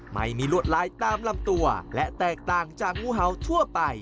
ไม่มีลวดลายตามลำตัวและแตกต่างจากงูเห่าทั่วไป